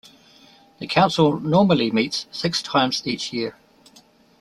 The Council normally meets six times each year.